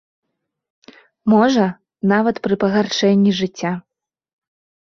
Можа, нават пры пагаршэнні жыцця.